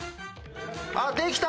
あっできた！